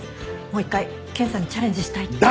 もう一回検査にチャレンジしたいって。